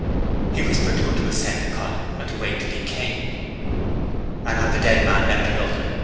He whispered to her to ascend the column and wait till he came. 'And have the dead man left her nothing?